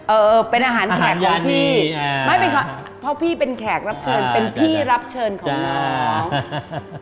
เออเป็นอาหารแขกของพี่ไม่เป็นเพราะพี่เป็นแขกรับเชิญเป็นพี่รับเชิญของน้อง